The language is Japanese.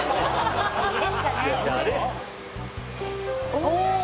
お。